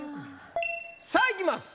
さあいきます。